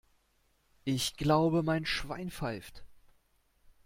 Ich glaube, mein Schwein pfeift!